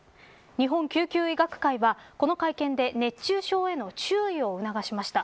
日本救急医学会は、この会見で熱中症への注意を促しました。